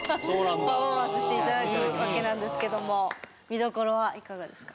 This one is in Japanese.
パフォーマンスして頂くわけなんですけども見どころはいかがですか？